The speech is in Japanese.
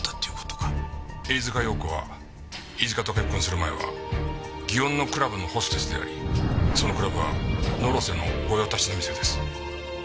飯塚遥子は飯塚と結婚する前は園のクラブのホステスでありそのクラブは野呂瀬の御用達の店です。